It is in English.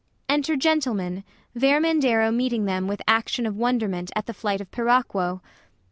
] Enter Gentlemen, vermandero meeting them with action of wonder ment at the flight o/piracquo.